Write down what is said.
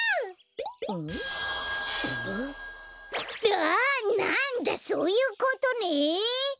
ああなんだそういうことね！